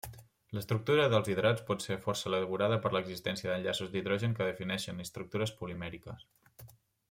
L'estructura dels hidrats pot ser força elaborada per l'existència d'enllaços d'hidrogen que defineixen estructures polimèriques.